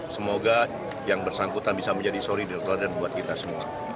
semoga yang bersangkutan bisa menjadi solidaritas buat kita semua